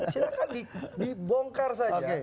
silahkan dibongkar saja